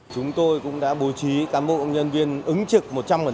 chúng tôi cũng đã bố trí cán bộ nhân viên ứng trực một trăm linh